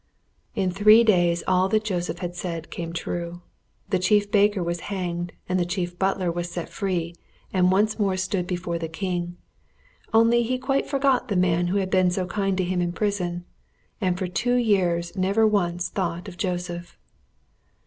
In three days all that Joseph had said came true. The chief baker was hanged, and the chief butler was set free, and stood once more before the king; only he quite forgot the man who had been so kind to him in prison, and for two years never once thought of Joseph.